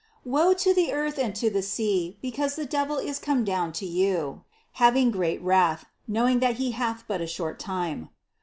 "Woe to the earth, and to the sea, because the devil is come down to you, having great wrath, know ing that he hath but a short time."